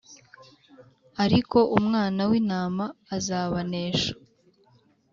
ariko Umwana w’Intama azabanesha,